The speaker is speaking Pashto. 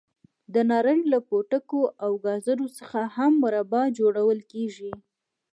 د نارنج له پوټکي او ګازرو څخه هم مربا جوړول کېږي.